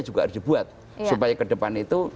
juga harus dibuat supaya ke depan itu